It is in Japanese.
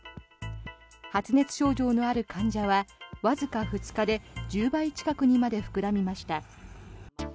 発熱症状のある患者はわずか２日で１０倍近くにまで膨らみました。